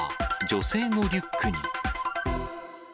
女性のリュックに。